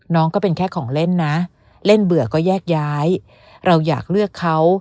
ก็เป็นแค่ของเล่นนะเล่นเบื่อก็แยกย้ายเราอยากเลือกเขา